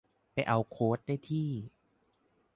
ไปเอาโค้ดได้ที่